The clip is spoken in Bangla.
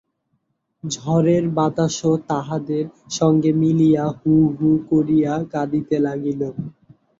ঝড়ের বাতাসও তাহাদের সঙ্গে মিলিয়া হূ হূ করিয়া কাঁদিতে লাগিল।